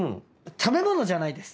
食べ物じゃないです。